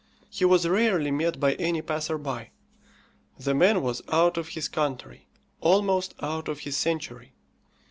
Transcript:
He was rarely met by any passer by. The man was out of his country, almost out of his century.